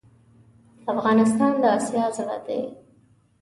افغانستان دا اسیا زړه ډی